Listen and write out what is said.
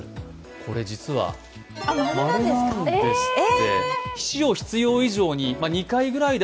これ、実は○なんですって。